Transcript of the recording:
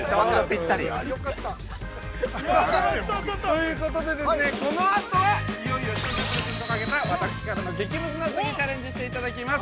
◆ということでですね、このあとは、いよいよ視聴者プレゼントをかけた激ムズ謎解きにチャレンジしていただきます。